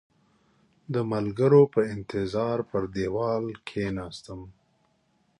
د ملګرو په انتظار پر دېوال کېناستم.